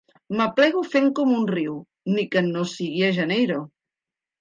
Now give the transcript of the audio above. M'aplego fent com un riu, ni que no sigui a Janeiro.